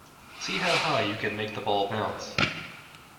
See how high you can make the ball bounce